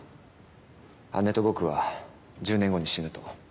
姉と僕は１０年後に死ぬと。